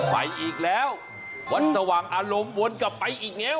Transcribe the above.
ไปอีกแล้ววัดสว่างอารมณ์วนกลับไปอีกแล้ว